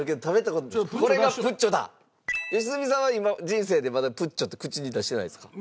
良純さんは今人生でまだ「ぷっちょ」って口に出してないですか？